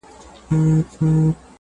زموږ پاچا دی موږ په ټولو دی منلی!.